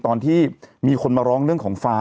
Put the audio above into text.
ตอนที่มีคนมาร้องเรื่องของฟ้า